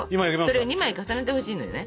それを２枚重ねてほしいのよね。